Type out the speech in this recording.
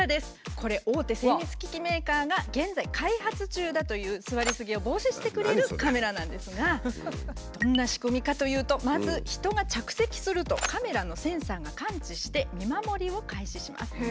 これ大手精密機器メーカーが現在開発中だという座りすぎを防止してくれるカメラなんですがどんな仕組みかというとまず人が着席するとカメラのセンサーが感知して見守りを開始します。